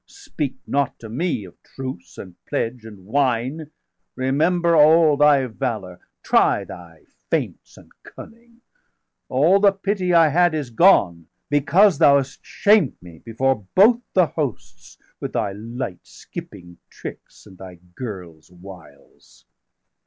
Speak not to me of truce, and pledge, and wine! 465 Remember all thy valour°; try thy feints °466 And cunning! all the pity I had is gone; Because thou hast shamed me before both the hosts With thy light skipping tricks, and thy girl's wiles.